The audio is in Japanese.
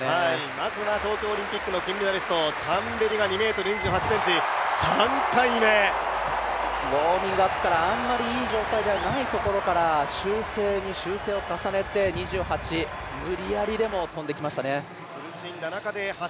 まずは東京オリンピックの金メダリストタンベリが２ｍ２８ｃｍウォーミングアップからあまりいい状態じゃなかったところから修正に修正を重ねて２８、無理やりにでも跳んできましたね。